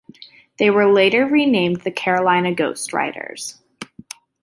They were later renamed the Carolina Ghostriders.